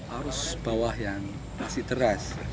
arus bawah yang masih deras